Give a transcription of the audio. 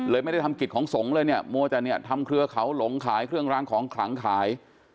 เพราะว่าของสงส์มัวจะทำเครือเขาหลงขายของขลังขาย